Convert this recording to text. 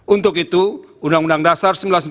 untuk itu undang undang dasar seribu sembilan ratus empat puluh